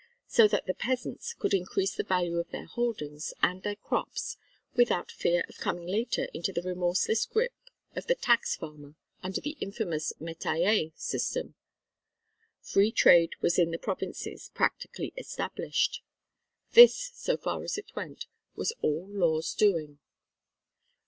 so that the peasants could increase the value of their holdings and their crops without fear of coming later into the remorseless grip of the tax farmer under the infamous metayer system. Free trade was in the Provinces practically established. This, so far as it went, was all Law's doing.